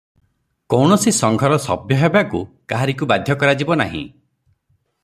କୌଣସି ସଂଘର ସଭ୍ୟ ହେବାକୁ କାହାରିକୁ ବାଧ୍ୟ କରାଯିବ ନାହିଁ ।